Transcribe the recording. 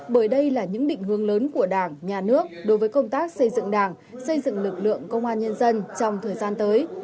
bởi đây là những định hướng lớn của đảng nhà nước đối với công tác xây dựng đảng xây dựng lực lượng công an nhân dân trong thời gian tới